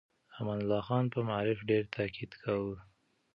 امان الله خان په معارف ډېر تاکيد کاوه.